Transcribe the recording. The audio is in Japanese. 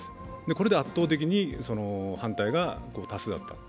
これで圧倒的に反対が多数だった。